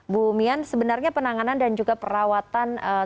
bu mian sebenarnya penanganan dan juga perawatan seperti apa sih yang akan diterima